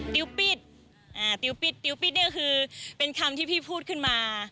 ปิดติ๊วปิดติ๊วปิดเนี่ยคือเป็นคำที่พี่พูดขึ้นมา